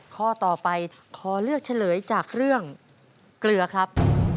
ข้อต่อไปขอเลือกเฉลยจากเรื่องเกลือครับ